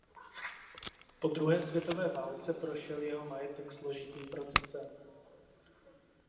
Po druhé světové válce prošel jeho majetek složitým procesem.